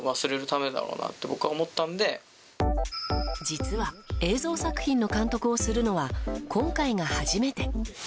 実は映像作品の監督をするのは今回が初めて。